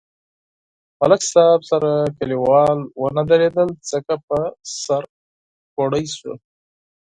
ملک صاحب سره کلیوال و نه درېدل ځکه په سر کوړئ شو.